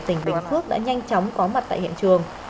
tỉnh bình phước đã nhanh chóng có mặt tại hiện trường